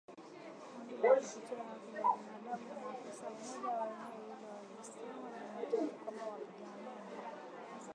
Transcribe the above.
Kundi la kutetea haki za binadamu na afisa mmoja wa eneo hilo alisema Jumatatu kwamba wapiganaji